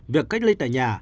việc cách ly tại nhà